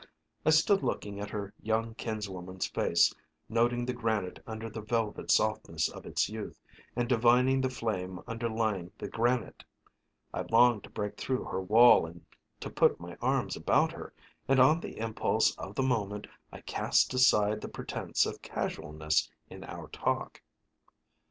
I stood looking at her young kinswoman's face, noting the granite under the velvet softness of its youth, and divining the flame underlying the granite. I longed to break through her wall and to put my arms about her, and on the impulse of the moment I cast aside the pretense of casualness in our talk.